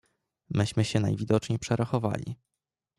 "Myśmy się najwidoczniej przerachowali."